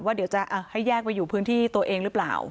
เดี๋ยวจะให้แยกไปอยู่พื้นที่ตัวเองหรือเปล่า